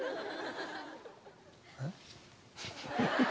えっ？